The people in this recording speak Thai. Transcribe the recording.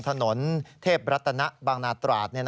ถนนเทพรัตนบางนาตราด